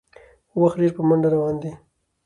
وخت ډېر په منډه روان دی